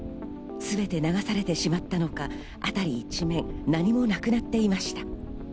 全て流されてしまったのか、あたり一面、何もなくなっていました。